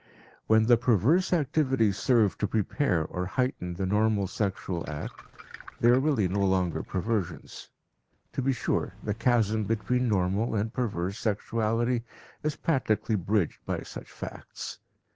When the perverse activities serve to prepare or heighten the normal sexual act, they are really no longer perversions. To be sure, the chasm between normal and perverse sexuality is practically bridged by such facts.